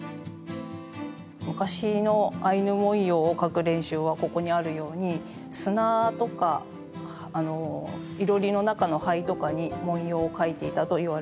昔のアイヌ文様を描く練習はここにあるように砂とかいろりの中の灰とかに文様を描いていたといわれています。